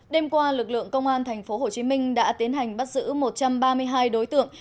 đêm qua lực lượng công an tp hcm đã tiến hành bắt giữ một trăm ba mươi hai đối tượng